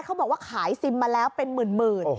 เขาบอกว่าขายซิมมาแล้วเป็นหมื่น